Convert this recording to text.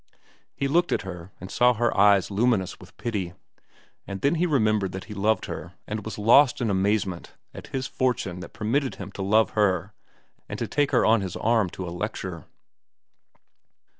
He looked at her and saw her eyes luminous with pity. And then he remembered that he loved her and was lost in amazement at his fortune that permitted him to love her and to take her on his arm to a lecture.